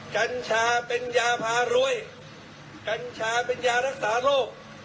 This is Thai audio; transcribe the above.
กัญชาเป็นยาพารวยกัญชาเป็นยารักษาโรค